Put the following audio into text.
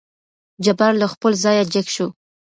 جبار له خپل ځايه جګ شو.